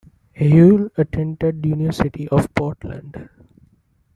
Auel attended University of Portland.